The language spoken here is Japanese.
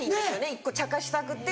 １個ちゃかしたくて。